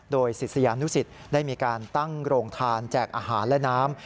โดยศิษยานุสิตได้มีการตั้งโรงทานแจกอาหารและน้ำ